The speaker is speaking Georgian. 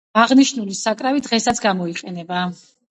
აღნიშნული საკრავი დღესაც გამოიყენება.